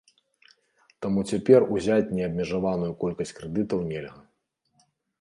Таму цяпер узяць неабмежаваную колькасць крэдытаў нельга.